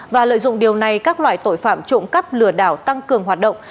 và lợi dụng điều này các loại tội phạm trộm cắp lừa đảo tăng cường hoạt động